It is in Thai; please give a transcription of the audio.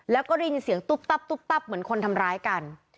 แล้วก็ได้ยินเสียงตุ๊บตับตุ๊บตับเหมือนคนทำร้ายกัน